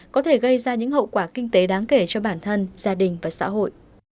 có thể gây ra những hậu quả kinh tế đáng kể cho bản thân gia đình và xã hội